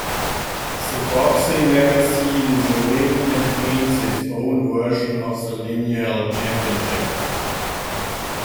The boxing magazine "The Ring" maintains its own version of the lineal championship.